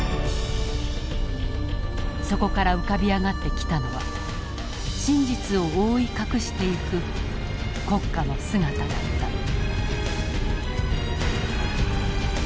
そこから浮かび上がってきたのは真実を覆い隠していく国家の姿だった。